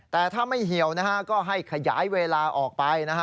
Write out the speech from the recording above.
แต่ถ้าไม่เหี่ยวนะฮะก็ให้ขยายเวลาออกไปนะฮะ